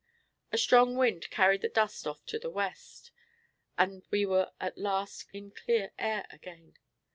A strong wind carried the dust off to the west, and we were at last in clear air again.